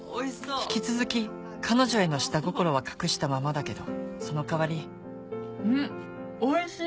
引き続き彼女への下心は隠したままだけどその代わりんおいしい！